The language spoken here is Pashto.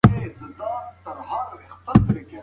سام میرزا د شاه صفي په نوم پر تخت کښېناست.